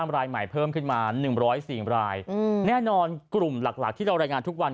รายใหม่เพิ่มขึ้นมา๑๐๔รายแน่นอนกลุ่มหลักที่เรารายงานทุกวัน